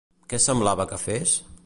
Què semblava que fes?